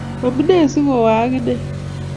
Amune si ko wa ak ine